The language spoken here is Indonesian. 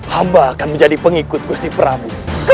hamba akan menjadi pengikut gusti prapu